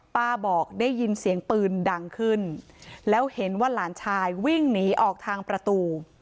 บอกได้ยินเสียงปืนดังขึ้นแล้วเห็นว่าหลานชายวิ่งหนีออกทางประตู